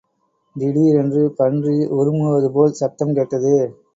திடீரென்று பன்றி உறுமுவதுபோல் சத்தம் கேட்டது.